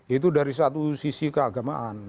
itu dari satu sisi keagamaan